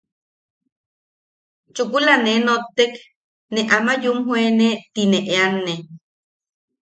Chukula ne nottek, ne ama yumjoene tine eanne...